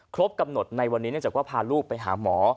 ครบกำหนดในวันนี้เนี่ยจะพาลูกไปหาหมอ